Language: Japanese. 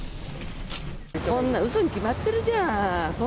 そんな、うそに決まってるじゃん。